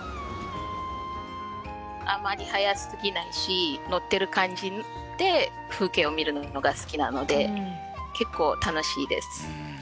あまり速すぎないし乗ってる感じで風景を見るのが好きなので結構楽しいです。